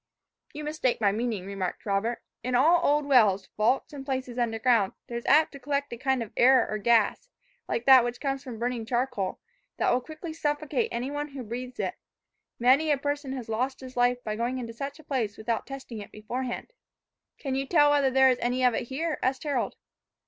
"You mistake my meaning," remarked Robert. "In all old wells, vaults and places under ground, there is apt to collect a kind of air or gas, like that which comes from burning charcoal, that will quickly suffocate any one who breathes it. Many a person has lost his life by going into such a place without testing it beforehand." "Can you tell whether there is any of it here?" asked Harold.